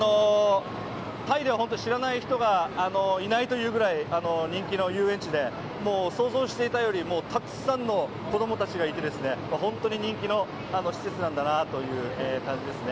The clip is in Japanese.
タイでは本当に知らない人がいないというぐらい人気の遊園地で、想像していたよりたくさんの子供たちがいて、本当に人気の施設なんだなという感じですね